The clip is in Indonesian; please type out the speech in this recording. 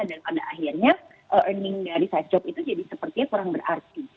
dan pada akhirnya earning dari sadjob itu jadi sepertinya kurang berarti